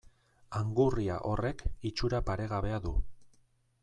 Angurria horrek itxura paregabea du.